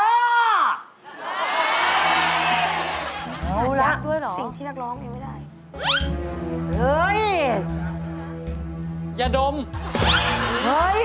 มันมีขนาดยักษ์ด้วยเหรอสิ่งที่นักร้องไม่ได้